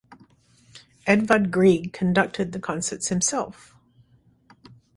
Edvard Grieg conducted the concerts himself.